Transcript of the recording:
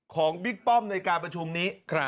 บิ๊กป้อมในการประชุมนี้